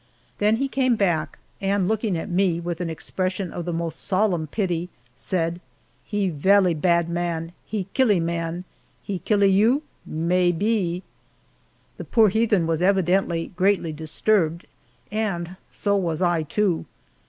Then he came back, and looking at me with an expression of the most solemn pity, said, "He vellee blad man he killee man he killee you, meb bee!" The poor little heathen was evidently greatly disturbed, and so was I, too.